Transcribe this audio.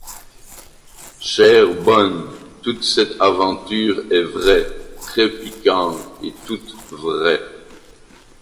Chère bonne, toute cette aventure est vraie, très piquante et toute vraie.